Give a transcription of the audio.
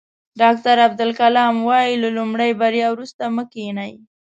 ډاکټر عبدالکلام وایي له لومړۍ بریا وروسته مه کینئ.